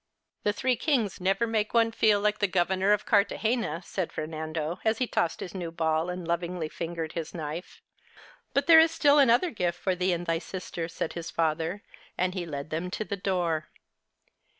" The Three Kings never make one feel like the governor of Cartagena/" said Fernando, as he tossed his new ball and lovingly fingered his knife. " But there is still another gift for thee and thy sister," said his father, and he led them to the door.